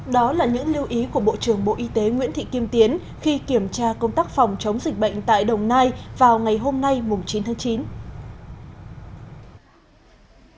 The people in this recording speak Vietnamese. đó là những lưu ý của bộ trưởng bộ y tế nguyễn thị kim tiến khi kiểm tra công tác phòng chống dịch bệnh